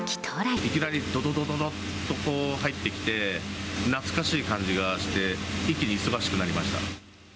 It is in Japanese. いきなりどどどどどっとこう入ってきて、懐かしい感じがして、一気に忙しくなりました。